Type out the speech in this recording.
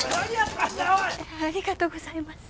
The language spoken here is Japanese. ありがとうございます。